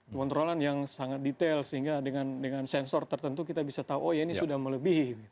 pengontrolan yang sangat detail sehingga dengan sensor tertentu kita bisa tahu oh ya ini sudah melebihi